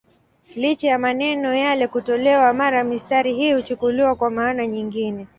Licha ya maneno yale kutolewa, mara mistari hii huchukuliwa kwa maana nyingine.